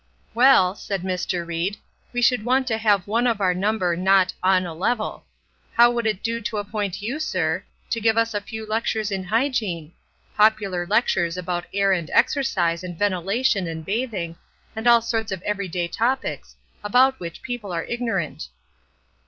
"Well," said Mr. Ried, "we should want to have one of our number not 'on a level.' How would it do to appoint you, sir, to give us a few lectures in Hygiene? Popular lectures about air and exercise and ventilation and bathing, and all sorts of every day topics, about which people are ignorant."